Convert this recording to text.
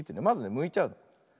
まずねむいちゃうの。